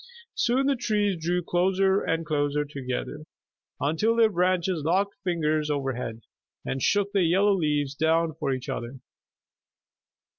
Soon the trees drew closer and closer together, until their branches locked fingers overhead and shook the yellow leaves down for each other.